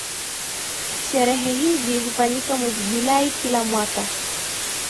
Sherehe hizi hufanyika mwezi julai kila mwaka